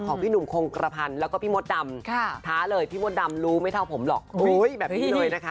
พี่หนุ่มคงกระพันธ์แล้วก็พี่มดดำท้าเลยพี่มดดำรู้ไม่เท่าผมหรอกแบบนี้เลยนะคะ